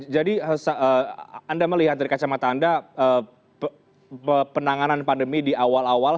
jadi anda melihat dari kacamata anda penanganan pandemi di awal awal